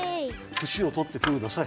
ふしをとってください。